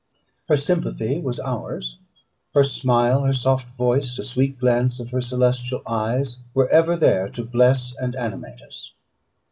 Her sympathy was ours; her smile, her soft voice, the sweet glance of her celestial eyes, were ever there to bless and animate us.